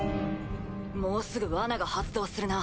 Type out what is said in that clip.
もうすぐ罠が発動するな。